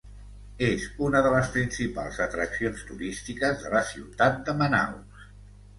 És una de les principals atraccions turístiques de la ciutat de Manaus.